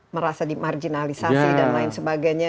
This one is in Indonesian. merasa dimarginalisasi dan lain sebagainya